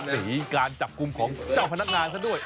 สีการจับกุมของเจ้าผู้ชม